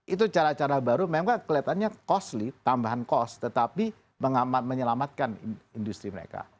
itu cara cara baru memang kelihatannya costly tambahan cost tetapi menyelamatkan industri mereka